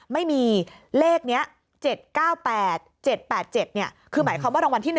ไม่มีเลขนี้๗๙๘๗๘๗คือหมายความว่ารางวัลที่๑